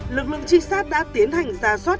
lực lượng trinh sát đã tiến hành ra soát